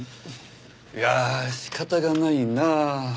いやあ仕方がないな。